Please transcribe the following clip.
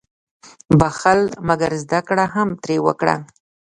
• بخښل، مګر زده کړه هم ترې وکړه.